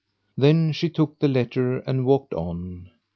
Then she took the letter and walked on.